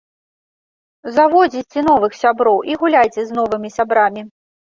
Заводзіце новых сяброў і гуляйце з новымі сябрамі.